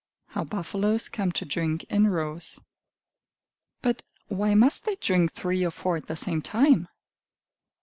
How Buffaloes Come to Drink in Rows But why must they drink three or four at the same time?